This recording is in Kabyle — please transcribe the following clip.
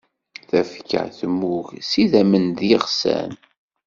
Tafekka tmmug s idamen d yeɣsan.